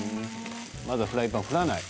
まだフライパンを振らない。